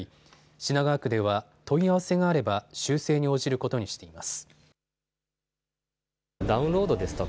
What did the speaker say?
品川区では問い合わせがあれば修正に応じることにしています。